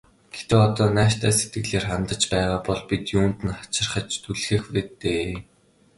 Гэхдээ одоо нааштай сэтгэлээр хандаж байгаа бол бид юунд нь хачирхаж түлхэх вэ дээ.